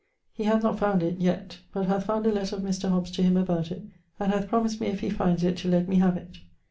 He hath not found it yet but hath found a letter of Mr. Hobbes to him about it, and hath promised me if he finds it to let me have it.